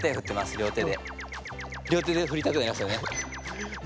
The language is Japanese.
両手でふりたくなりますよね。